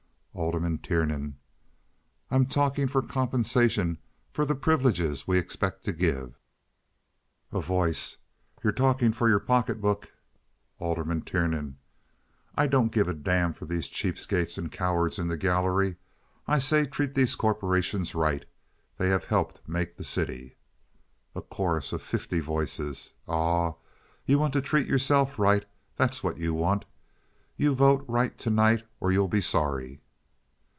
Alderman Tiernan. "I'm talking for compensation for the privileges we expect to give." A Voice. "You're talking for your pocket book." Alderman Tiernan. "I don't give a damn for these cheap skates and cowards in the gallery. I say treat these corporations right. They have helped make the city." A Chorus of Fifty Voices. "Aw! You want to treat yourself right, that's what you want. You vote right to night or you'll be sorry."